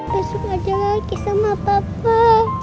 besok aja lagi sama papa